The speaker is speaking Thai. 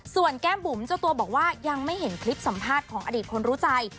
ส่วนแก้มบุ๋มเจ้าตัวบอกว่ายังไม่เห็นคลิปสัมภาษณ์ของอดีตคนรู้ใจ